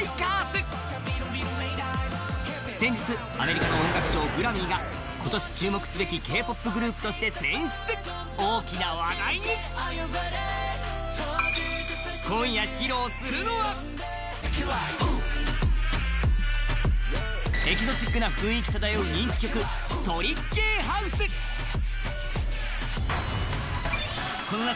先日アメリカの音楽賞グラミーが今年注目すべきＫ−ＰＯＰグループとして選出大きな話題にエキゾチックな雰囲気漂う人気曲この夏